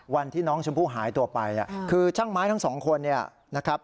วันที่น้องชมพู่หายตัวไปคือช่างไม้ทั้งสองคน